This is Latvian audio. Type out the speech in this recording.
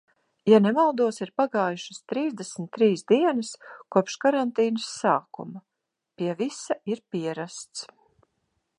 Ja nemaldos, ir pagājušas trīsdesmit trīs dienas kopš karantīnas sākuma, pie visa ir pierasts.